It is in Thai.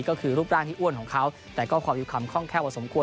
ก็คือรูปร่างที่อ้วนของเขาแต่ก็ความอยู่ข้ำค่องแค่ว่าสมควร